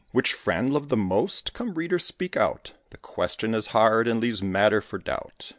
Which friend loved the most? come, reader, speak out! The question is hard, and leaves matter for doubt.